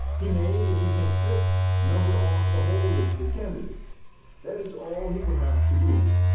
He may, if he thinks fit, number off the whole list of candidates. That is all he will have to do.